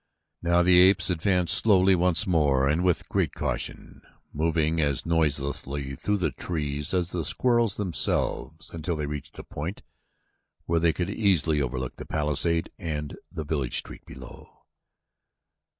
Now the apes advanced slowly once more and with great caution, moving as noiselessly through the trees as the squirrels themselves until they had reached a point where they could easily overlook the palisade and the village street below.